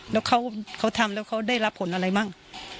แล้วเขาทำแล้วเขาได้รับผลอะไรมั่ง